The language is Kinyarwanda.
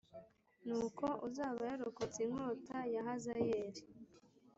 Nuko uzaba yarokotse inkota ya Hazayeli